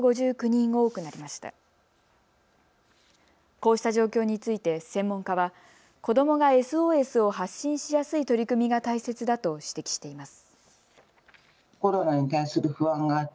こうした状況について専門家は子どもがＳＯＳを発信しやすい取り組みが大切だと指摘しています。